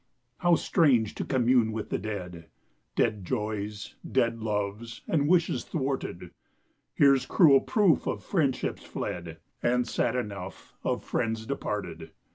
How strange to commune with the Dead— Dead joys, dead loves, and wishes thwarted: Here's cruel proof of friendships fled, And sad enough of friends departed.